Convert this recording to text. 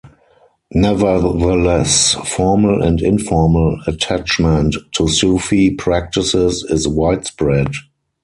Nevertheless, formal and informal attachment to Sufi practices is widespread.